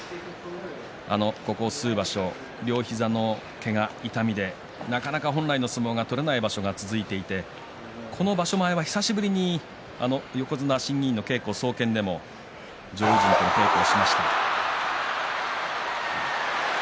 ここ数場所、両膝のけが、痛みでなかなか本来の相撲が取れない場所が続いていてこの場所前は久しぶりに横綱審議委員の稽古総見でも上位陣と稽古をしました。